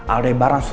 aldebaran sudah kena